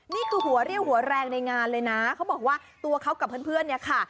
นี่คือหัวเรี่ยวหัวแรงในงานเลยนะเขาบอกว่าตัวเขากับเพื่อนเนี่ยค่ะ